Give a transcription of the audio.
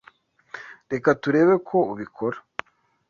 Reka turebe ko ubikora